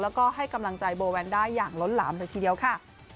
แล้วก็ให้กำลังใจโบแวนได้อย่างล้นหลามเลยทีเดียวค่ะ